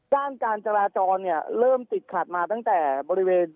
ด้านการจราจรเนี่ยเริ่มติดขัดมาตั้งแต่บริเวณ